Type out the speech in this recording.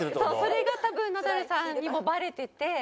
それが多分ナダルさんにもバレてて。